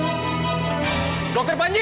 bajak harinya cepet banget shay